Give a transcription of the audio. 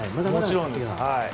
もちろんです。